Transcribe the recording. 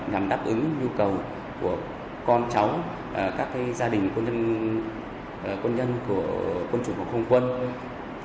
nhằm đáp ứng nhu cầu của con cháu các gia đình quân nhân của quân chủng phòng không quân